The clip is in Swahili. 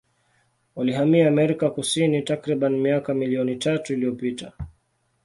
Walihamia Amerika Kusini takribani miaka milioni tatu iliyopita.